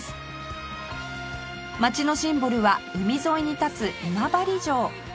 街のシンボルは海沿いに立つ今治城